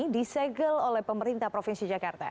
disegel oleh pemerintah provinsi jakarta